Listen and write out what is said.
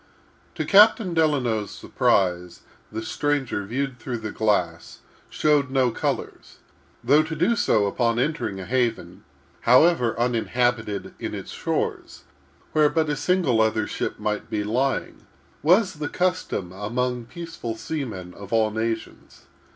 To Captain Delano's surprise, the stranger, viewed through the glass, showed no colors; though to do so upon entering a haven, however uninhabited in its shores, where but a single other ship might be lying, was the custom among peaceful seamen of all nations.